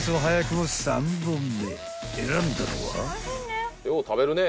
［選んだのは？］